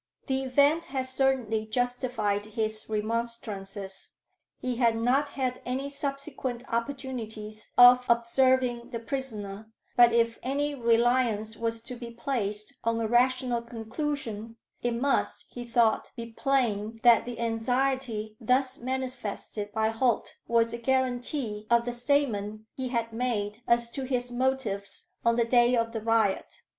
The event had certainly justified his remonstrances. He had not had any subsequent opportunities of observing the prisoner; but if any reliance was to be placed on a rational conclusion, it must, he thought, be plain that the anxiety thus manifested by Holt was a guarantee of the statement he had made as to his motives on the day of the riot.